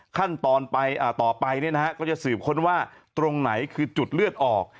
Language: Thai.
ขั้นตอนต่อไปก็จะสืบค้นว่าตรงไหนคือจุดเลือดออก